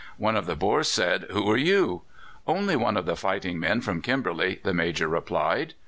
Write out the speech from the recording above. One of the Boers said: "Who are you?" "Only one of the fighting men from Kimberley," the Major replied.